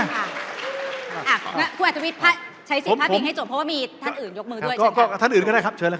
คุณอาทิวิทย์ใช้สิทธิ์พัดเพียงให้จบเพราะว่ามีท่านอื่นยกมือด้วย